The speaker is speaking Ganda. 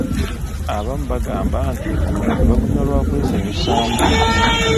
Abamu bagamba nti omwenge bagunywa lwa kwesanyusaamu.